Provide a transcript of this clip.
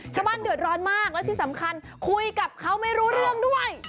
ชาวบ้านเดือดร้อนมากแล้วที่สำคัญคุยกับเขาไม่รู้เรื่องด้วย